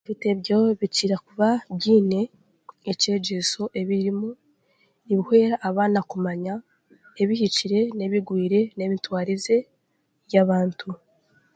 Ebitebyo bikira kuba biine ekyegyeso ebirimu nibihwera abaana kumanya ebihikire, n'ebigwire n'emitwarize y'abantu